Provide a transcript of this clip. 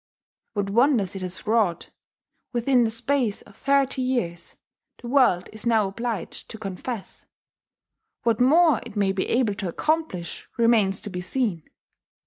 What wonders it has wrought, within the space of thirty years, the world is now obliged to confess: what more it may be able to accomplish remains to be seen.